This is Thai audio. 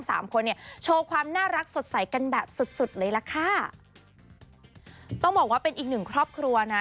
สามคนเนี่ยโชว์ความน่ารักสดใสกันแบบสุดสุดเลยล่ะค่ะต้องบอกว่าเป็นอีกหนึ่งครอบครัวนะ